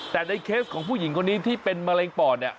แต่ในเคสของผู้หญิงคนนี้ที่เป็นมะเร็งปอดเนี่ย